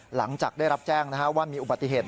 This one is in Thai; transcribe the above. หลังจากได้รับแจ้งว่ามีอุบัติเหตุ